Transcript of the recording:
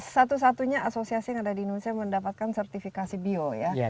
satu satunya asosiasi yang ada di indonesia mendapatkan sertifikasi bio ya